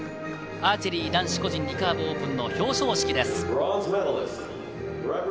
アーチェリー男子個人リカーブオープンの表彰式です。